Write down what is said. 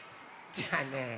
じゃあね